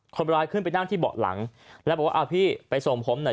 คนร้ายขึ้นไปนั่งที่เบาะหลังแล้วบอกว่าอ่าพี่ไปส่งผมหน่อย